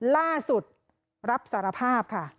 ล่าสุดรับสารภาพค่ะ